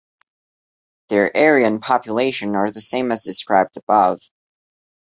Their area and population are the same as described above.